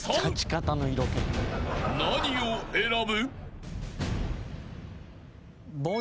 ［何を選ぶ？］